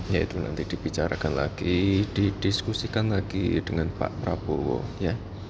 ya itu nanti dibicarakan lagi didiskusikan lagi dengan pak prabowo ya